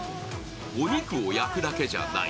お肉を焼くだけじゃない。